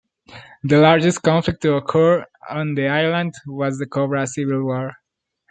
The largest conflict to occur on the island was the Cobra Civil War.